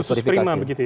khusus prima begitu ya